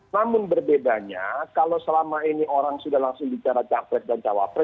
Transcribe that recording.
namun berbedanya kalau selama ini orang sudah langsung bicara capres dan cawapres